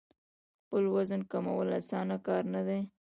خپل وزن کمول اسانه کار نه دی.